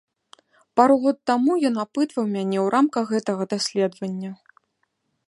Пару год таму ён апытваў мяне ў рамках гэтага даследавання.